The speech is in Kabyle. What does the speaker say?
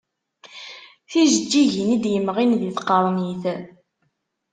Tijeǧǧigin i d-yemɣin di tqernit.